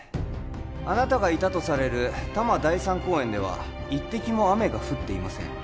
あなたがいたとされる多摩第三公園では一滴も雨が降っていません